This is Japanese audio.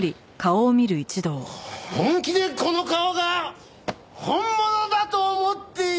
本気でこの顔が本物だと思っているのかね？